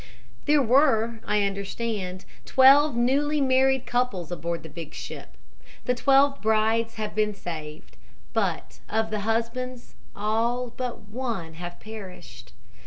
"There were, I understand, twelve newly married couples aboard the big ship. The twelve brides have been saved, but of the husbands all but one have perished.